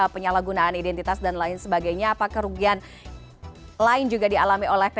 penyalahgunaan identitas dan lain sebagainya apa kerugian lain juga dialami oleh